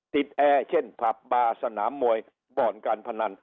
แอร์เช่นผับบาร์สนามมวยบ่อนการพนัน